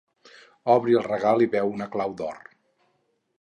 Obri el regal i veu una clau d'or.